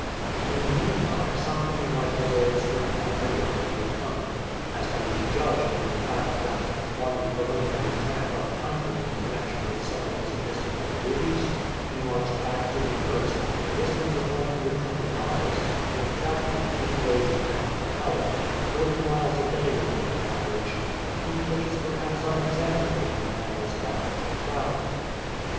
In the meantime something like his old strength and vigour had returned, as may be judged from the fact that, on a preliminary tramp up country in connexion with some of his episcopal duties, he marched back to the coast, a distance of 120 miles, in exactly three days and half an hour — forty miles a day on an average — a feat which is perhaps unexampled in the annals of African travel.